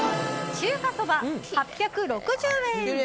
中華そば、８６０円。